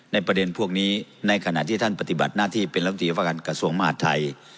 ในประเด็นพวกนี้ในขณะที่ท่านปฏิบัติหน้าที่เป็นรมทีมหาธัย